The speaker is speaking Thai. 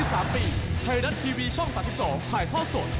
ไทยรัฐทีวีช่อง๓๒ถ่ายทอดสด